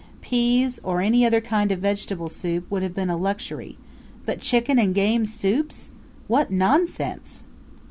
Peas, or any other kind of vegetable soup, would have been a luxury; but chicken and game soups! what nonsense!